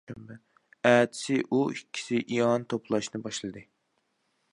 ئەتىسى ئۇ ئىككىسى ئىئانە توپلاشنى باشلىدى.